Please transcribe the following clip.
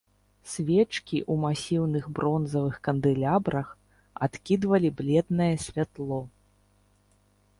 Свечкі ў масіўных бронзавых кандэлябрах адкідвалі бледнае святло.